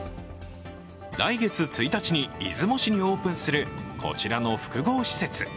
来月１日に出雲市にオープンするこちらの複合施設。